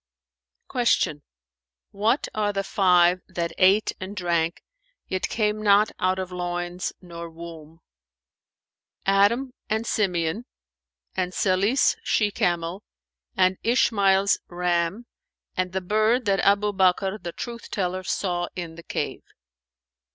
'"[FN#432] Q "What are the five that ate and drank, yet came not out of loins nor womb?" "Adam and Simeon[FN#433] and Salih's she camel[FN#434] and Ishmael's ram and the bird that Abu Bakr the Truth teller saw in the cave.